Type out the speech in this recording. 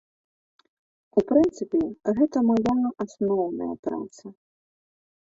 У прынцыпе, гэта мая асноўная праца.